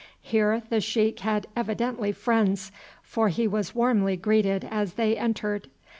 Here the sheik had evidently friends, for he was warmly greeted as they entered.